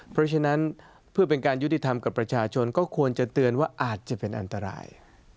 เพราะฉะนั้นเพื่อเป็นการยุติธรรมกับประชาชนก็ควรจะเตือนว่าอาจจะเป็นอันตราย